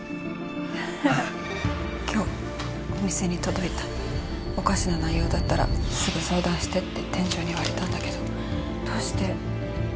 今日お店に届いたおかしな内容だったらすぐ相談してって店長に言われたんだけどどうして？